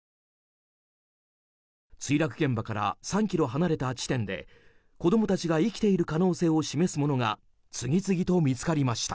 墜落現場から３ｋｍ離れた地点で子供たちが生きている可能性を示すものが次々と見つかりました。